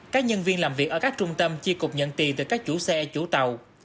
các nhân viên làm việc ở các trung tâm chi cục nhận tiền từ các chủ xe chủ tàu